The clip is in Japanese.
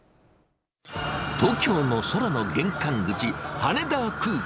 東京の空の玄関口、羽田空港。